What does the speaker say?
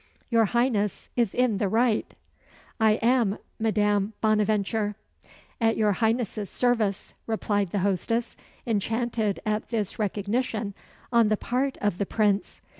"Tour Highness is in the right I am Madame Bonaventure, at your Highness's service," replied the hostess, enchanted at this recognition on the part of the Prince.